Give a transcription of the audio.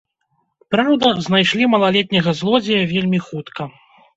Праўда, знайшлі малалетняга злодзея вельмі хутка.